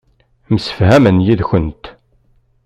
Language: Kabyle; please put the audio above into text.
Msefhamen yid-kent.